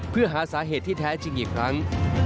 เพื่อหาสาเหตุที่แท้จริงอีกครั้ง